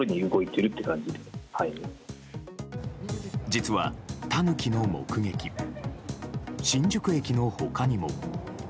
実は、タヌキの目撃新宿駅の他にも。